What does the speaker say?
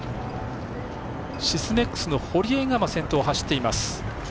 シスメックスの堀江が先頭を走っています。